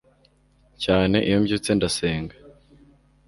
cyane iyo mbyutse ndasenga